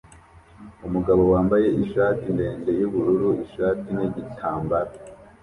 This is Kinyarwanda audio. Umugabo wambaye ishati ndende yubururu ishati nigitambara